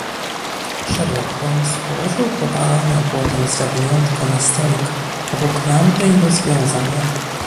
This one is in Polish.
"Sherlock Holmes położył powalane błotem zawiniątko na stolik obok lampy i rozwiązał je."